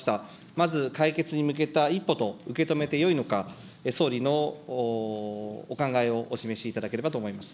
まず解決に向けた一歩と受け止めてよいのか、総理のお考えをお示しいただければと思います。